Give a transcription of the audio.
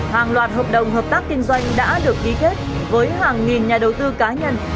hàng loạt hợp đồng hợp tác kinh doanh đã được ký kết với hàng nghìn nhà đầu tư cá nhân